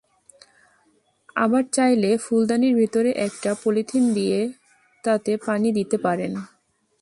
আবার চাইলে ফুলদানির ভেতরে একটা পলিথিন দিয়ে তাতে পানি দিতে পারেন।